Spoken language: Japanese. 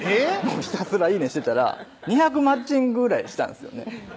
ひたすらいいねしてたら２００マッチングぐらいしたんですよ